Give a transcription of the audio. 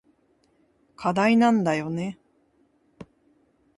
課題なんだよね。